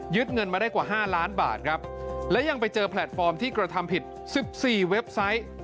เงินมาได้กว่า๕ล้านบาทครับและยังไปเจอแพลตฟอร์มที่กระทำผิด๑๔เว็บไซต์